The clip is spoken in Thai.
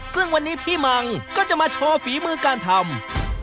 ซึ่งวันนี้พี่มังก็จะมาโชว์ฝีมือการทำ